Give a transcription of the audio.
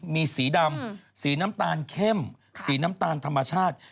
มีสีดำสีน้ำตาลเข้มสีน้ำตาลธรรมชาติ